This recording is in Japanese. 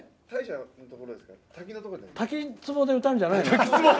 滝つぼで歌うんじゃないの？